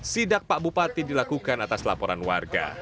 sidak pak bupati dilakukan atas laporan warga